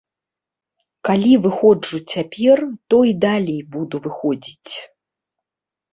Калі выходжу цяпер, то і далей буду выходзіць.